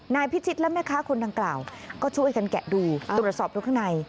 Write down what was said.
นายพิชิตและแม่ค้าคนดังกล่าวก็ช่วยกันแกะดูตรวจสอบดูข้างใน